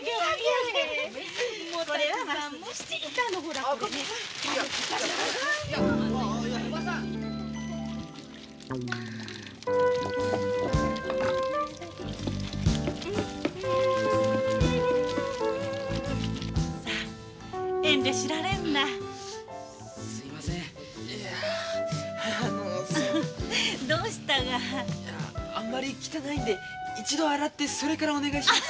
あんまり汚いんで一度洗ってそれからお願いします。